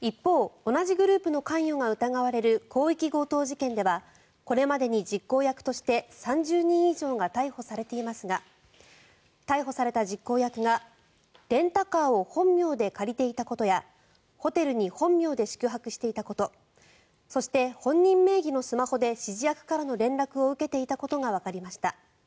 一方同じグループの関与が疑われる広域強盗事件ではこれまでに実行役として３０人以上が逮捕されていますが逮捕された実行役がレンタカーを本名で借りていたことやホテルに本名で宿泊していたことそして、本人名義のスマホで指示役からの連絡を受けていたことがわかりました。